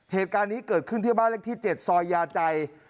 เหตุการณ์นี้เกิดขึ้นที่บ้านเลขที่๗ซอยยาใจ